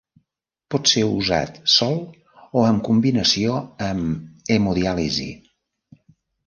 Pot ser usat sol o amb combinació amb hemodiàlisi.